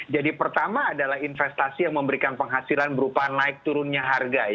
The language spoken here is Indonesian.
jadi pertama adalah investasi yang memberikan penghasilan berupa naik turunnya harga